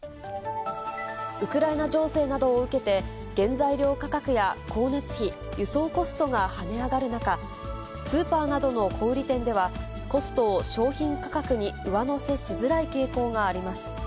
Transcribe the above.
ウクライナ情勢などを受けて、原材料価格や光熱費、輸送コストが跳ね上がる中、スーパーなどの小売り店ではコストを商品価格に上乗せしづらい傾向があります。